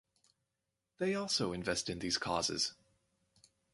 They also invest in these causes.